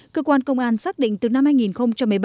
cơ quan công an xác định từ năm hai nghìn một mươi bảy